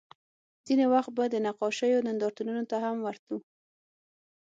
ځینې وخت به د نقاشیو نندارتونونو ته هم ورتلو